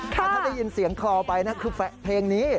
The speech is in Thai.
แต่ถ้าได้ยินเสียงคลอไปนะคือเพลงนี้